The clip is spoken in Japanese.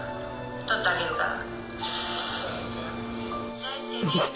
撮ってあげるから。